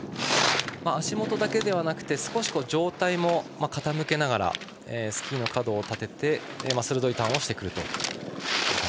足元だけではなくて少し上体も傾けながらスキーの角を立てて鋭いターンをしてくると。